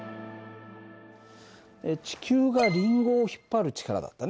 地球がリンゴを引っ張る力だったねこれは。